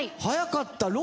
早かった。